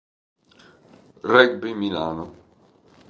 Rugby Milano.